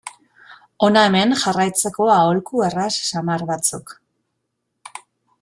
Hona hemen jarraitzeko aholku erraz samar batzuk.